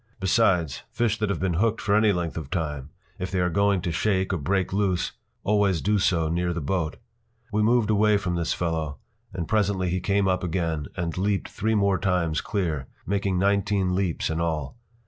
Besides, fish that have been hooked for any length of time, if they are going to shake or break loose, always do so near the boat. We moved away from this fellow, and presently he came up again, and leaped three more times clear, making nineteen leaps in all.